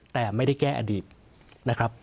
แต่ไม่ได้แก้อดีตนะครับ